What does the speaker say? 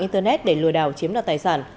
internet để lừa đảo chiếm đoạt tài sản